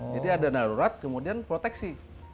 jadi ada dana darurat kemudian proteksi